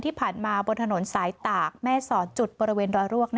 ที่ผ่านมาบนถนนสายตากแม่สอดจุดบริเวณรอยรวก